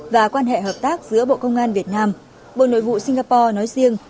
và quan hệ hợp tác giữa bộ công an việt nam bộ nội vụ singapore nói riêng